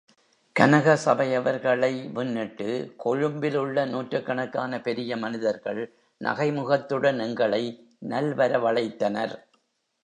கனக சபையவர்களை முன்னிட்டு, கொழும்பில் உள்ள நூற்றுக்கணக்கான பெரிய மனிதர்கள் நகைமுகத்துடன் எங்களை நல்வரவழைத்தனர்.